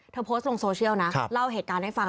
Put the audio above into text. โพสต์ลงโซเชียลนะเล่าเหตุการณ์ให้ฟัง